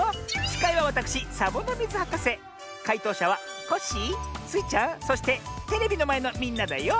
しかいはわたくしサボノミズはかせかいとうしゃはコッシースイちゃんそしてテレビのまえのみんなだよ。